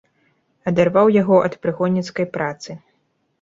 Адарваў яго ад прыгонніцкай працы.